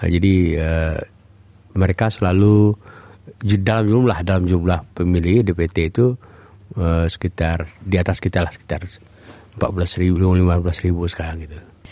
jadi mereka selalu dalam jumlah pemilih dpt itu sekitar di atas sekitar empat belas lima belas sekarang gitu